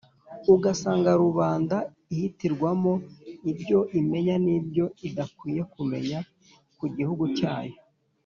ugasanga rubanda ihitirwamo ibyo imenya n' ibyo idakwiye kumenya ku gihugu cyayo.